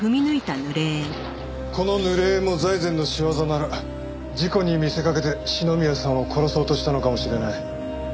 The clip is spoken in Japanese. この濡れ縁も財前の仕業なら事故に見せかけて篠宮さんを殺そうとしたのかもしれない。